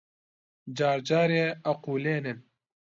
جار جارێ ئەقوولێنن